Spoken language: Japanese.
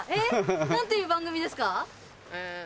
何ていう番組ですか？